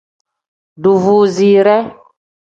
Duvuuzire.